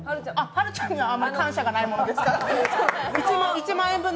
はるちゃんにはあまり感謝がないもので。